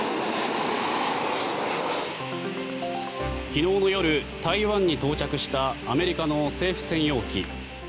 昨日の夜、台湾に到着したアメリカの政府専用機。